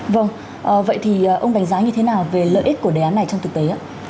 vâng vậy thì ông đánh giá như thế nào về lợi ích của đề án này trong thực tế ạ